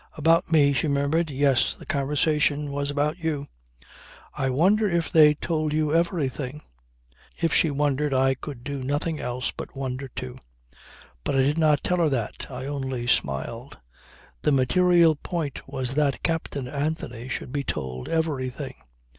"About me?" she murmured. "Yes. The conversation was about you." "I wonder if they told you everything." If she wondered I could do nothing else but wonder too. But I did not tell her that. I only smiled. The material point was that Captain Anthony should be told everything.